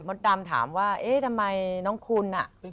ดำถามว่าเอ๊ะทำไมน้องคุณอ่ะ